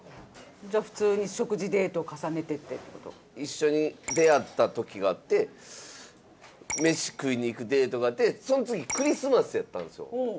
じゃあ普通に一緒に出会った時があって飯食いに行くデートがあってその次クリスマスやったんですよ。